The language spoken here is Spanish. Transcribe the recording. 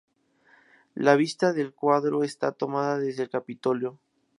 La vista del cuadro está tomada desde el Capitolio.